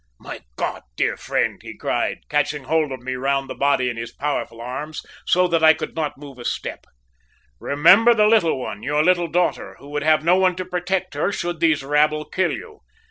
"`My God! dear friend,' he cried, catching hold of me round the body in his powerful arms, so that I could not move a step. `Remember the little one, your little daughter, who would have no one to protect her should these rabble kill you.